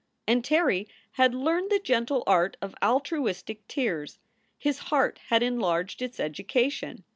And Terry had learned the gentle art of altruistic tears. His heart had enlarged its education.